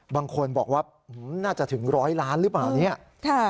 บางคนบอกว่าน่าจะถึงร้อยล้านหรือเปล่าเนี่ย